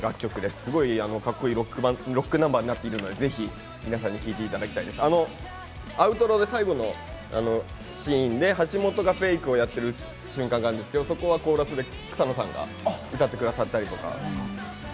すごくカッコ良いロックナンバーになっていると思うので、アウトロで最後のシーンで橋本がフェイクをやってる瞬間があるんですけど、そこはコーラスで草野さんが歌ってくださったりとか。